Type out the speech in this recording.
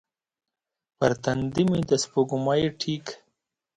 پر تندې مې د سپوږمۍ ټیک